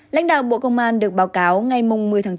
lãnh đạo bộ công an được báo cáo ngày một mươi tháng chín